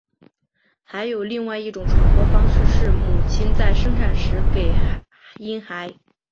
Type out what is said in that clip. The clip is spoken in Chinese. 还有另一种传播方式是母亲在生产时给婴孩。